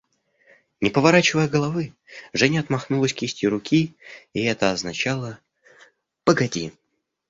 Не поворачивая головы, Женя отмахнулась кистью руки, и это означало: «Погоди!..